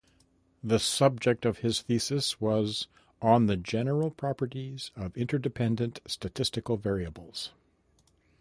The subject of his thesis was "On the general properties of interdependent statistical variables".